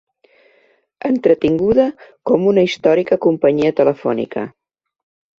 Entretinguda com una històrica companyia telefònica.